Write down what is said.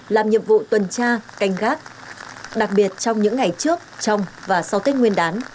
làm nhiệm vụ tuần tra